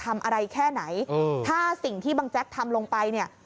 อะไรแค่ไหนถ้าสิ่งที่บังแจ๊กทำลงไปเนี่ย